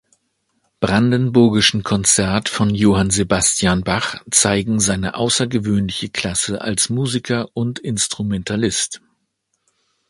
Brandenburgischen Konzert von Johann Sebastian Bach zeigen seine außergewöhnliche Klasse als Musiker und Instrumentalist.